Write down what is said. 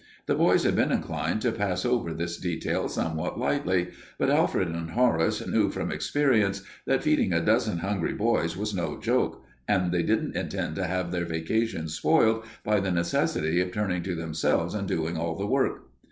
The boys had been inclined to pass over this detail somewhat lightly, but Alfred and Horace knew from experience that feeding a dozen hungry boys was no joke, and they didn't intend to have their vacation spoiled by the necessity of turning to themselves and doing all the work.